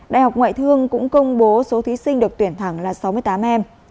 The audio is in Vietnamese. đại học ngoại thương cũng công bố số thí sinh được tuyển thẳng là sáu mươi tám em